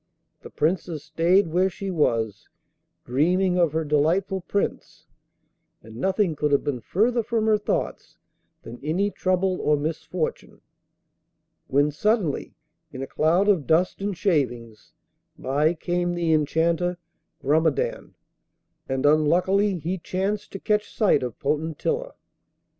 The Princess stayed where she was, dreaming of her delightful Prince, and nothing could have been further from her thoughts than any trouble or misfortune, when suddenly, in a cloud of dust and shavings, by came the enchanter Grumedan, and unluckily he chanced to catch sight of Potentilla.